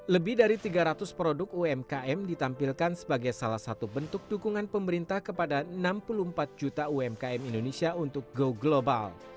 lebih dari tiga ratus produk umkm ditampilkan sebagai salah satu bentuk dukungan pemerintah kepada enam puluh empat juta umkm indonesia untuk go global